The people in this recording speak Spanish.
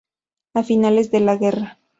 A finales de la guerra.